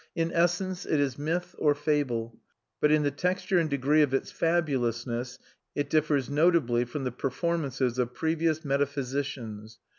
In essence, it is myth or fable; but in the texture and degree of its fabulousness it differs notably from the performances of previous metaphysicians.